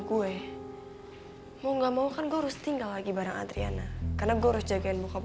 gue mau gak mau kan gue harus tinggal lagi bareng adriana karena gue harus jagain muka